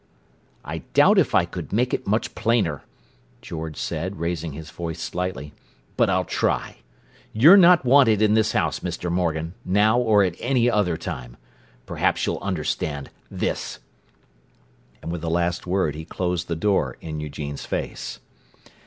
"I doubt if I could make it much plainer," George said, raising his voice slightly, "but I'll try. You're not wanted in this house, Mr. Morgan, now or at any other time. Perhaps you'll understand—this!" And with the last word he closed the door in Eugene's face.